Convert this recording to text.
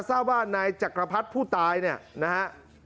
ทราบว่านายจักรพรรดิผู้ตายเนี่ยนะฮะ